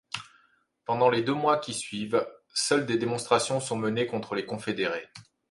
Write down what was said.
Pendant les deux mois qui suivent, seules des démonstrations sont menées contre les confédérés.